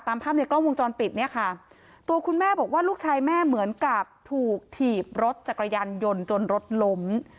ภาพในกล้องวงจรปิดเนี่ยค่ะตัวคุณแม่บอกว่าลูกชายแม่เหมือนกับถูกถีบรถจักรยานยนต์จนรถล้ม